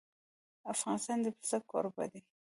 افغانستان د پسه کوربه دی.